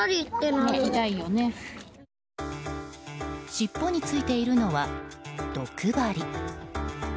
尻尾についているのは毒針。